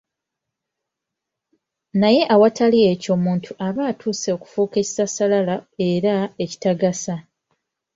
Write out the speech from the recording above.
Naye awatali ekyo omuntu aba atuuse okufuuka ekisassalala era ekitagasa.